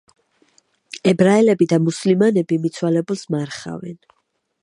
ებრაელები და მუსლიმანები მიცვალებულს მარხავენ.